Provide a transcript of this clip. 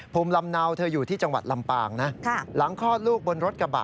ภูมิลำเนาเธออยู่ที่จังหวัดลำปางนะหลังคลอดลูกบนรถกระบะ